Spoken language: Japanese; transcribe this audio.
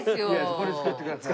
これ使ってください。